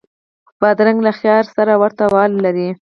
بادرنګ له خیار سره ورته والی لري.